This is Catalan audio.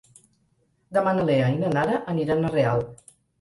Demà na Lea i na Nara aniran a Real.